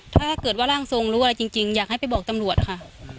ถ้าเกิดว่าร่างทรงรู้อะไรจริงอยากให้ไปบอกตำรวจค่ะ